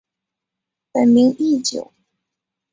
本名义久。